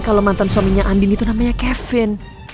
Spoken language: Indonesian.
kalau mantan suaminya andin itu namanya kevin